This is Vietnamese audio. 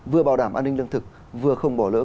vừa bảo đảm an ninh lương thực vừa không bỏ lỡ